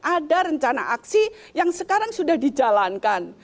ada rencana aksi yang sekarang sudah dijalankan